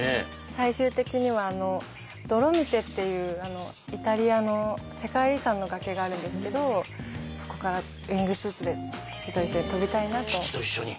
最終的にはあのドロミテっていうイタリアの世界遺産の崖があるんですけどそこからウイングスーツで父と一緒にとびたいなと父と一緒に！？